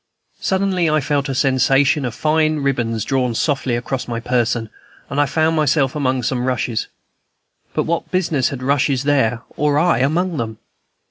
Suddenly I felt a sensation as of fine ribbons drawn softly across my person, and I found myself among some rushes. But what business had rushes there, or I among them?